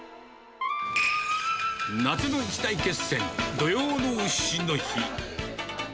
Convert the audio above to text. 夏の一大決戦、土用のうしの日。